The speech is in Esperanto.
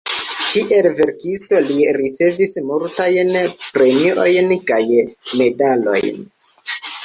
Kiel verkisto, li ricevis multajn premiojn kaj medalojn.